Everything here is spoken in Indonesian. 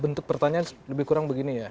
bentuk pertanyaan lebih kurang begini ya